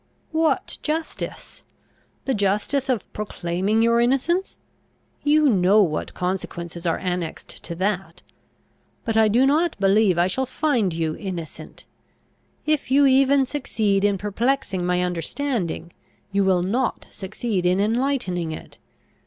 "What justice? The justice of proclaiming your innocence? You know what consequences are annexed to that. But I do not believe I shall find you innocent. If you even succeed in perplexing my understanding, you will not succeed in enlightening it.